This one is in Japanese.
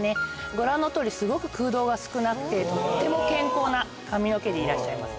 ご覧のとおりすごく空洞が少なくてとっても健康な髪の毛でいらっしゃいます。